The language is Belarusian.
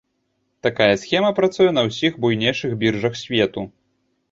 Такая схема працуе на усіх буйнейшых біржах свету.